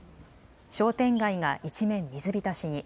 商店街が一面水浸しに。